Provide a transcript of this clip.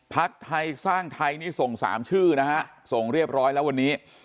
พักไทยสร้างไทยนี่ส่ง๓ชื่อนะฮะส่งเรียบร้อยแล้ววันนี้